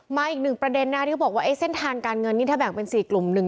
อีกหนึ่งประเด็นนะที่เขาบอกว่าเส้นทางการเงินนี่ถ้าแบ่งเป็น๔กลุ่มหนึ่ง